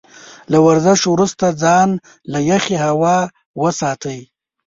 له ورزش وروسته ځان له يخې هوا وساتئ.